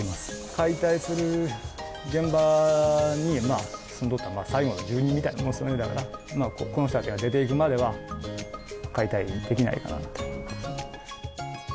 解体する現場に、最後の住人みたいなものだから、この人たちが出ていくまでは解体できないかなと思います。